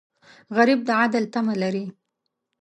غریب د عدل تمه لري